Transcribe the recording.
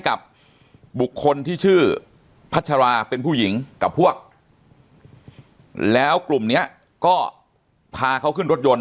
กับบุคคลที่ชื่อพัชราเป็นผู้หญิงกับพวกแล้วกลุ่มเนี้ยก็พาเขาขึ้นรถยนต์